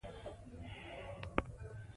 آب وهوا د افغانستان د اقتصاد برخه ده.